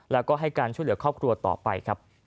แล้วก็ให้การช่วยเหลือครอบครัวต่อไปครับ